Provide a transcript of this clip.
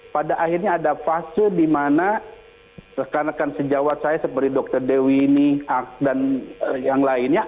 pada akhirnya ada fase di mana rekan rekan sejawat saya seperti dr dewi ini dan yang lainnya